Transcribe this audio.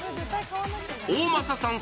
大政さん